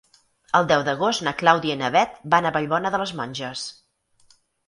El deu d'agost na Clàudia i na Bet van a Vallbona de les Monges.